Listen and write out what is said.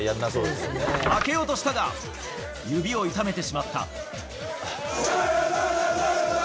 開けようとしたが、指を痛めてしまった。